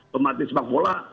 pembatis pak pola